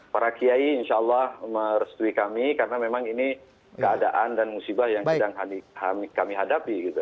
para kiai insya allah merestui kami karena memang ini keadaan dan musibah yang sedang kami hadapi gitu